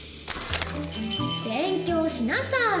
勉強しなさい。